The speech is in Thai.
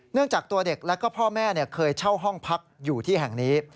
จากตัวเด็กและก็พ่อแม่เคยเช่าห้องพักอยู่ที่แห่งนี้